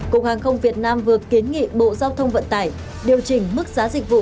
cục hàng không việt nam vừa kiến nghị bộ giao thông vận tải điều chỉnh mức giá dịch vụ